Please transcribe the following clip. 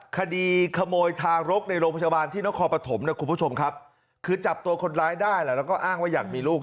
คดีขโมยทารกในโรงพจบาลที่นครปฐมคือจับตัวคนร้ายได้แล้วก็อ้างว่าอย่างมีลูก